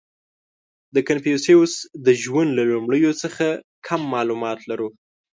• د کنفوسیوس د ژوند له لومړیو څخه کم معلومات لرو.